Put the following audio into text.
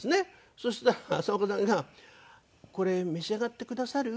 そしたら浅丘さんが「これ召し上がってくださる？」